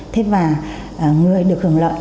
thế và người được hưởng lợi